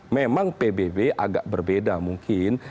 memang pbb agak berbeda mungkin